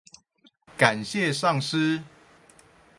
感謝上師！